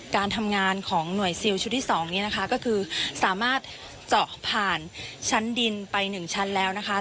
การทำงานของหน่วยซิลชุดที่๒นี้นะคะก็คือสามารถเจาะผ่านชั้นดินไป๑ชั้นแล้วนะคะ